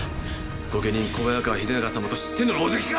御家人小早川秀長様と知っての狼藉か！